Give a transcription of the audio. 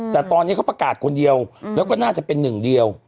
แต่ตอนนี้เขาประกาศคนเดียวแล้วก็น่าจะเป็นหนึ่งเดียว